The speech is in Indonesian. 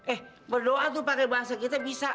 eh berdoa tuh pakai bahasa kita bisa